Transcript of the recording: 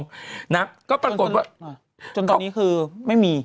จนตอนนี้คือไม่มี